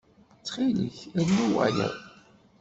Ttxil-k, rnu wayeḍ.